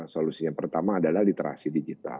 solusi yang pertama adalah literasi digital